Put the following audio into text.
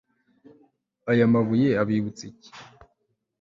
aya mabuye abibutsa iki?'